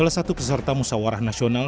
salah satu peserta musawarah nasional